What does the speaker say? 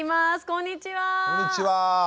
こんにちは。